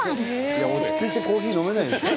いや落ち着いてコーヒー飲めないでしょ。